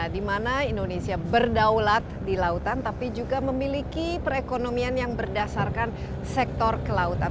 di mana indonesia berdaulat di lautan tapi juga memiliki perekonomian yang berdasarkan sektor kelautan